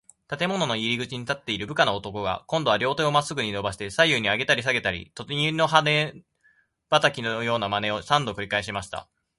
建物の入口に立っている部下の男が、こんどは両手をまっすぐにのばして、左右にあげたりさげたり、鳥の羽ばたきのようなまねを、三度くりかえしました。